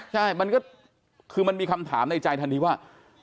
ใช่มันก็คือมันมีคำถามในใจทันทีว่า